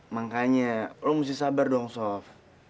makanya lo mesti sabar dong sof